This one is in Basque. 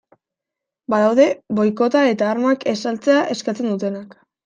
Badaude boikota eta armak ez saltzea eskatzen dutenak.